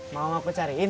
mau mbak pe cariin